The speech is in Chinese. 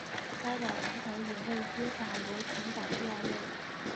该岛人口也位居法罗群岛第二位。